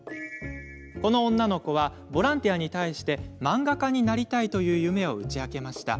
この女の子はボランティアに対し漫画家になりたいという夢を打ち明けました。